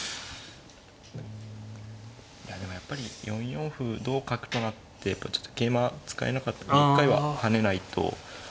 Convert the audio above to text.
いやでもやっぱり４四歩同角となってやっぱちょっと桂馬使えなかったんで一回は跳ねないと。